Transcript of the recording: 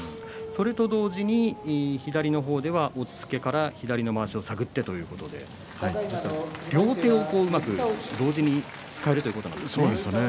それと同時に左の方では押っつけからまわしを探っていくということで両手をうまく同時に使えるということですね。